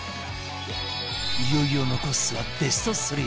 いよいよ残すはベスト３